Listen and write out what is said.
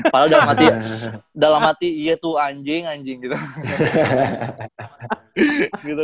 padahal dalam hati dalam hati iya tuh anjing anjing gitu